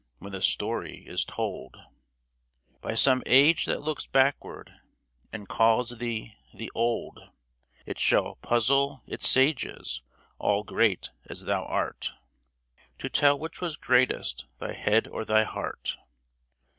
When thy story is told By some age that looks backward and calls thee " the old," It shall puzzle its sages, all great as thou art. To tell which was greatest, thy head or thy heart